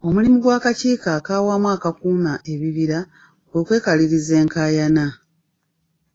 Omulimu gw'Akakiiko ak'Awamu Akakuuma Ebibira kwe kwekaliriza enkaayana.